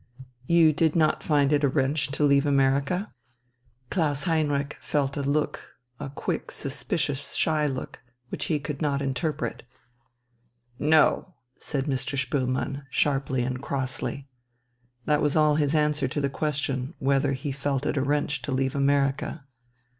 "You did not find it a wrench to leave America?" Klaus Heinrich felt a look, a quick, suspicious, shy look, which he could not interpret. "No," said Mr. Spoelmann, sharply and crossly. That was all his answer to the question whether he felt it a wrench to leave America.